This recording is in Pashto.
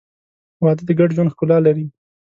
• واده د ګډ ژوند ښکلا لري.